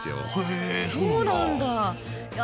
へえそうなんだ。